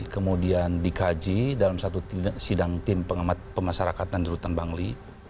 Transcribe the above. kemudian dikaji dalam satu sidang tim pengamat pemasarakatan di rutan bangli